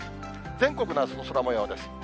全国のあすの空もようです。